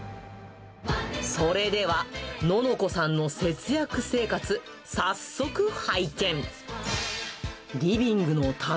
それでは、ののこさんの節約生活、早速拝見。